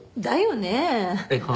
だよねえ？